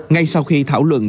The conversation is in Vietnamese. ngay sau khi thảo luận